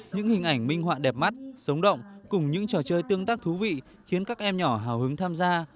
những hình ảnh minh họa đẹp mắt sống động cùng những trò chơi tương tác thú vị khiến các em nhỏ hào hứng tham gia